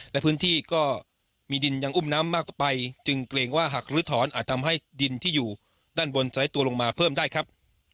และพื้นที่ก็มีดินยังอุ้มน้ำมากต่อไปจึงเกรงว่าหากลื้อถอนอาจทำให้ดินที่อยู่ด้านบนสไลด์ตัวลงมาเพิ่มได้ครับ